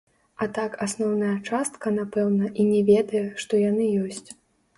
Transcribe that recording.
А так асноўная частка, напэўна, і не ведае, што яны ёсць.